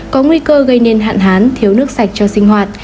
có nguy cơ gây nên hạn hán thiếu nước sạch cho sinh hoạt